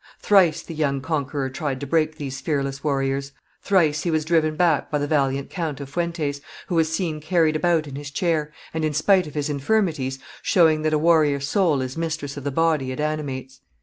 Thrice the young conqueror tried to break these fearless warriors; thrice he was driven knack by the valiant Count of Fuentes, who was seen carried about in his chair, and, in spite of his infirmities, showing that a warrior's soul is mistress of the body it animates.